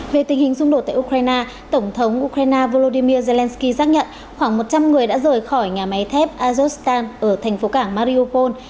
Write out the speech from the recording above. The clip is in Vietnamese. về tình hình xung đột tại ukraine tổng thống ukraine volodymyr zelensky xác nhận khoảng một trăm linh người đã rời khỏi nhà máy thép azer ở thành phố cảng mariopol